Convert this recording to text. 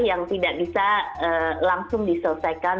yang tidak bisa langsung diselesaikan